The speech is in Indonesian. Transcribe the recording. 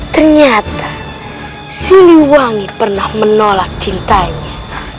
ternyata siliwangi pernah menolak cintanya